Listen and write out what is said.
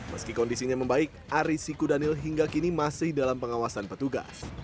meski kondisinya membaik ari siku daniel hingga kini masih dalam pengawasan petugas